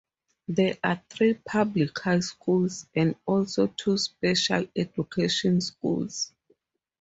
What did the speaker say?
There are three public high schools, and also two special education schools.